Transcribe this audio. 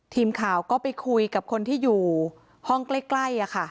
ทีมข่าวก็ไปคุยกับคนที่อยู่ห้องใกล้